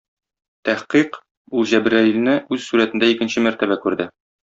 Тәхкыйк, ул Җәбраилне үз сурәтендә икенче мәртәбә күрде.